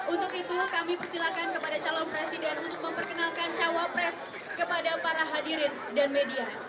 untuk itu kami persilakan kepada calon presiden untuk memperkenalkan cawapres kepada para hadirin dan media